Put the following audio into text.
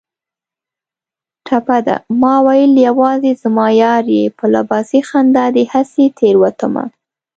ټپه ده: ماوېل یوازې زما یار یې په لباسي خندا دې هسې تېروتمه